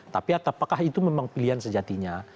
tapi apakah itu memang pilihan sejatinya